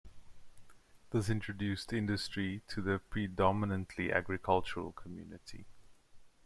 This introduced industry to a predominantly agricultural community.